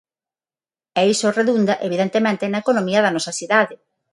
E iso redunda, evidentemente, na economía da nosa cidade.